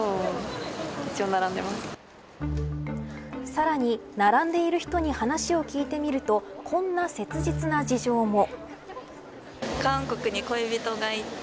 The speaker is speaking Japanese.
さらに並んでいる人に話を聞いてみるとこんな切実な事情も。